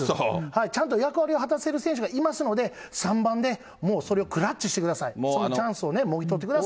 ちゃんと役目果たせる選手がいますので、３番でもうそれをクラッチしてください、チャンスをもぎ取ってください。